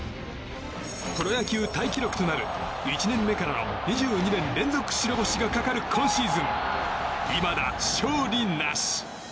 プロ野球タイ記録となる１年目からの２２年連続白星がかかる今シーズン、いまだ勝利なし。